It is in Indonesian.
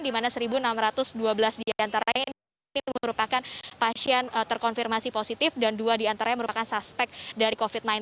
di mana satu enam ratus dua belas diantaranya ini merupakan pasien terkonfirmasi positif dan dua diantaranya merupakan suspek dari covid sembilan belas